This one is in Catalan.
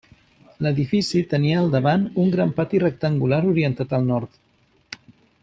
L'edifici tenia al davant un gran pati rectangular orientat al nord.